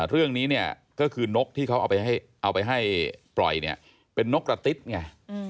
เรื่องนี้เนี่ยก็คือนกที่เขาเอาไปให้ปล่อยเนี่ยเป็นนกกระติ๊ดไง